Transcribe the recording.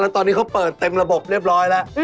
ตอนนี้เขาเปิดเต็มระบบเรียบร้อยแล้ว